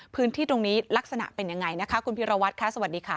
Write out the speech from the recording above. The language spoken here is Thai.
พื้นที่ตรงนี้ลักษณะเป็นยังไงนะคะคุณพิรวัตรค่ะสวัสดีค่ะ